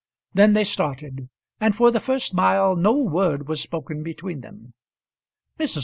Then they started, and for the first mile no word was spoken between them. Mrs.